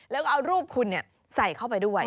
แล้วก็เอารูปคุณใส่เข้าไปด้วย